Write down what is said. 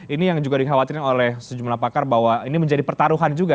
ini yang juga dikhawatirkan oleh sejumlah pakar bahwa ini menjadi pertaruhan juga